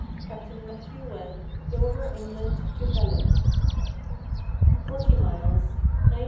Capt. Matthew Webb, Dover, England to Calais; 40 miles, 9 h.